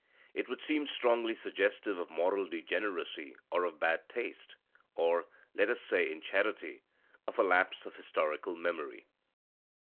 It would seem strongly suggestive of moral degeneracy, or of bad taste, or, let us say in charity, of a lapse of historical memory.